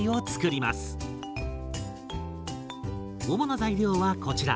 主な材料はこちら。